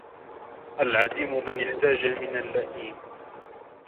العديم من احتاج من اللئيم